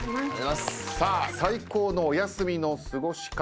最高のお休みの過ごし方。